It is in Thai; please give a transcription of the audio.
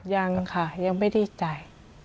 ยังค่ะยังไม่ได้จ่าย